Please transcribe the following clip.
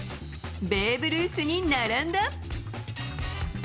ベーブ・ルースに並んだ。